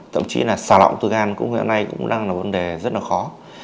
thậm chí là xà lọng thư gan cũng hiện nay đang là vấn đề rất khó